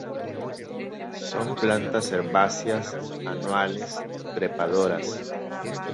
Son plantas herbáceas, anuales, trepadoras.